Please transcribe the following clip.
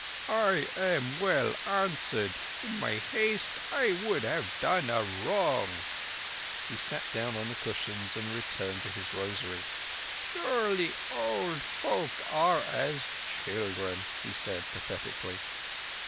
"I am well answered. In my haste I would have done a wrong." He sat down on the cushions and returned to his rosary. "Surely old folk are as children," he said pathetically.